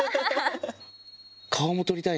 顔も撮りたいな。